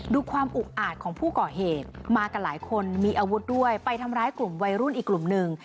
ดูความอุกอาจของผู้ก่อเหตุมากันหลายคนมีอาวุธด้วยไปทำร้ายกลุ่มวัยรุ่นอีกกลุ่มหนึ่ง